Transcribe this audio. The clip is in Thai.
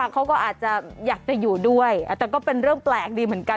เขาก็อาจจะอยากจะอยู่ด้วยแต่ก็เป็นเรื่องแปลกดีเหมือนกัน